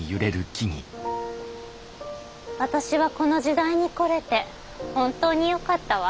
私はこの時代に来れて本当によかったわ。